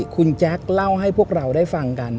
คุณแจ๊คเล่าให้พวกเราได้ฟังกัน